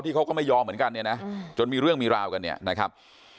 เขาก็ไม่ยอมเหมือนกันเนี่ยนะจนมีเรื่องมีราวกันเนี่ยนะครับ